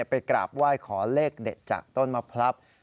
ไปกราบไหว้ขอเลขเด็ดจากต้นมะพลับ